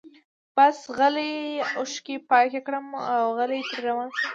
بس غلي اوښکي پاکي کړم اوغلی ترې روان شم